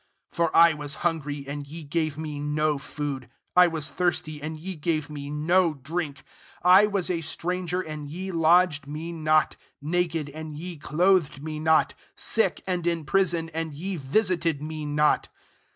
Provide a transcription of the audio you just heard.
42 For I was hungry^ and ye gave me no food : I was thirsty, and ye gave me no drink : 43 I was a stranger, and ye lodged me not : naked and ye clothed me not : sick, and in prison, and ye visited me not.'